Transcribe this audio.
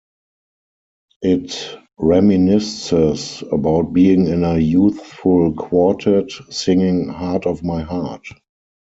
It reminisces about being in a youthful quartet, singing "Heart of My Heart".